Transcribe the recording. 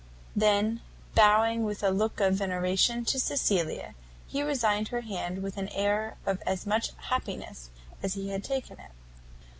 Then, bowing with a look of veneration to Cecilia, he resigned her hand with an air of as much happiness as he had taken it.